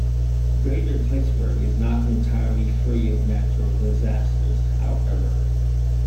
Greater Pittsburgh is not entirely free of natural disasters, however.